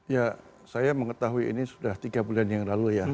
ya saya mengetahui ini sudah tiga bulan yang lalu ya